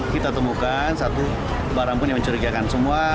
kita temukan satu barang pun yang mencurigakan semua